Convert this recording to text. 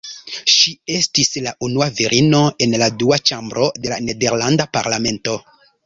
Ŝi estis la unua virino en la Dua Ĉambro de la nederlanda parlamento.